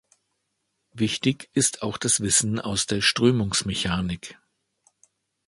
Wichtig ist auch das Wissen aus der Strömungsmechanik.